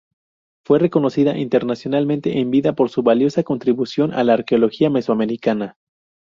Fue reconocida internacionalmente en vida por su valiosa contribución a la arqueología mesoamericana.